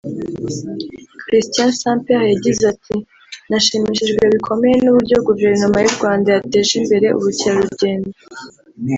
Cristián Samper yagize ati “Nashimishijwe bikomeye n’uburyo Guverinoma y’u Rwanda yateje imbere ubukerarugendo